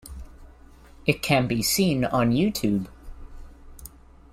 It can be seen on YouTube.